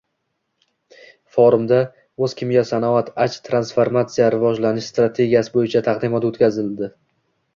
Forumda “O‘zkimyosanoat” aj transformatsiya va rivojlanish strategiyasi bo‘yicha taqdimot o‘tkazdi